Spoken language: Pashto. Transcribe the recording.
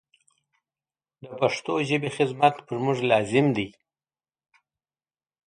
د پښتو ژبي خدمت پر موږ لازم دی.